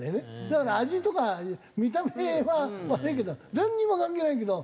だから味とか見た目は悪いけどなんにも関係ないけど。